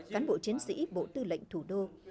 cán bộ chiến sĩ bộ tư lệnh thủ đô